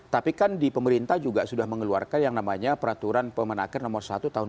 tapi kan di pemerintah juga sudah mengeluarkan yang namanya peraturan pemenaker nomor satu tahun dua ribu dua